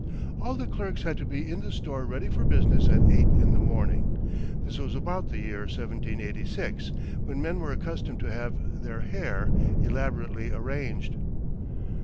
All the clerks had to be in the store ready for business at eight in the morning. This was about the year 1786, when men were accustomed to have their hair elaborately arranged.